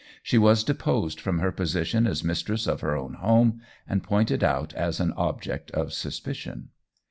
She was deposed from her position as mistress of her own home, and pointed out as an object of suspicion.